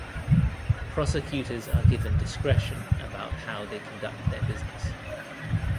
Prosecutors are given discretion about how they conduct their business.